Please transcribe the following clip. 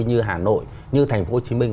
như hà nội như thành phố hồ chí minh